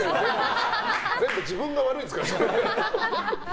全部、自分が悪いんですからね。